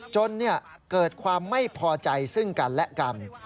จนเกิดความไม่พอใจซึ่งกันและกัน